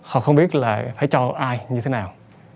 họ không biết là phải cho ai như thế nào